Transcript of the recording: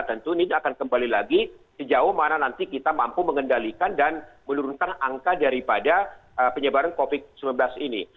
tentu ini akan kembali lagi sejauh mana nanti kita mampu mengendalikan dan menurunkan angka daripada penyebaran covid sembilan belas ini